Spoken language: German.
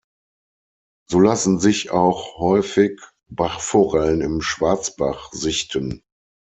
So lassen sich auch häufig Bachforellen im Schwarzbach sichten.